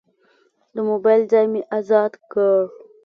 د موبایل ځای مې ازاد کړ.